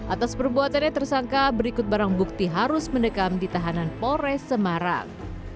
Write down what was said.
atas perbuatannya tersangka berikut barang bukti harus mendekam di tahanan polres semarang